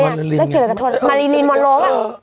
ก็เกลียดกับมารีนิมอลโลมา